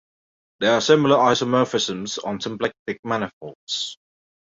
There are similar isomorphisms on symplectic manifolds.